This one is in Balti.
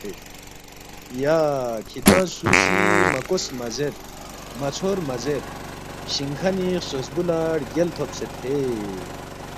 ”یا کِھدانگ سُو سی مہ کوس مہ زیر، مہ ژھور مہ زیر، شِنگ کھنی خسوس بُو لہ رگیل تھوبسید ہے